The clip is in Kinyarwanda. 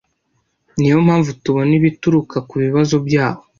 niyo mpamvu tubona bituruka kubibazo byabo